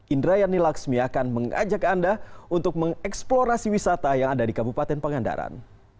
indrayani laksmi akan mengajak anda untuk mengeksplorasi wisata yang ada di kabupaten pangandaran